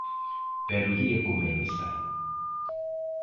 Pero o día comenza.